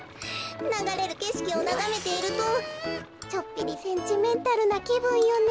ながれるけしきをながめているとちょっぴりセンチメンタルなきぶんよね。